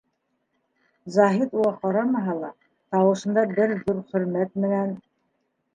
Заһит уға ҡарамаһа ла, тауышында бер ҙур хөрмәт менән: